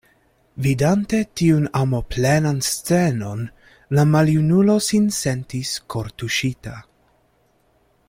Vidante tiun amoplenan scenon, la maljunulo sin sentis kortuŝita.